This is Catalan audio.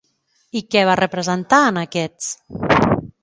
I què va representar, en aquests?